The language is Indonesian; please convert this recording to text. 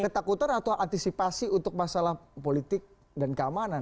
ketakutan atau antisipasi untuk masalah politik dan keamanan